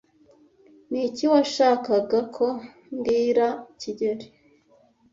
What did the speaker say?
Niki washakaga ko mbwira kigeli?